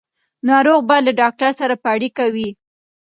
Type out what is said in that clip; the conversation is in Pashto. ناروغ باید له ډاکټر سره په اړیکه وي.